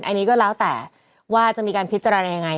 อันนี้ก็แล้วแต่ว่าจะมีการพิจารณายังไง